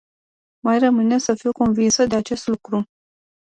Mai rămâne să fiu convinsă de acest lucru.